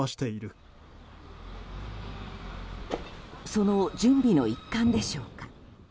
その準備の一環でしょうか。